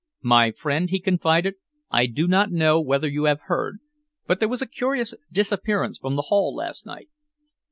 "My friend," he confided, "I do not know whether you have heard, but there was a curious disappearance from the Hall last night."